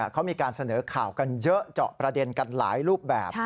เขามีการเสนอข่าวกันเยอะเจาะประเด็นกันหลายรูปแบบ